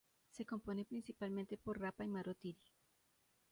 Se compone principalmente por Rapa y Maro-tiri.